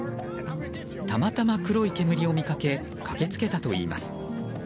たまたま黒い煙を見かけ駆けつけたといいます。